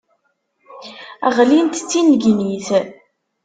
Ɣlint d tinnegnit.